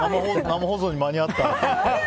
生放送に間に合った。